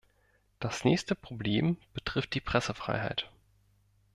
Das nächste Problem betrifft die Pressefreiheit.